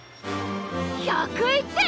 １０１点！？